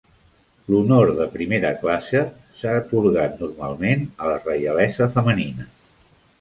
L'honor de primera classe s'ha atorgat normalment a la reialesa femenina.